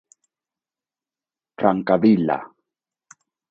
Francavilla.